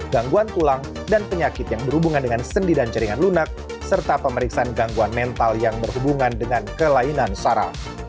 gangguan tulang dan penyakit yang berhubungan dengan sendi dan jaringan lunak serta pemeriksaan gangguan mental yang berhubungan dengan kelainan sara